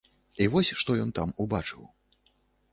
І вось што ён там убачыў.